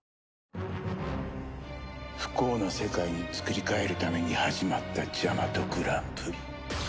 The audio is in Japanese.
不幸な世界につくり変えるために始まったジャマトグランプリ。